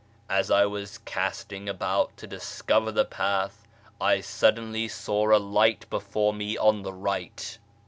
As I was casting about to discover the path, I suddenly saw a light before me on the right.